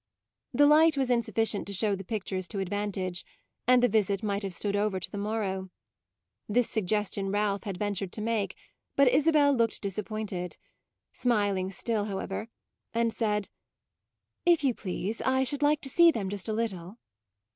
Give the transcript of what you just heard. The light was insufficient to show the pictures to advantage, and the visit might have stood over to the morrow. This suggestion Ralph had ventured to make; but Isabel looked disappointed smiling still, however and said: "If you please I should like to see them just a little."